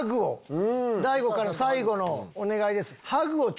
大悟から最後のお願いです。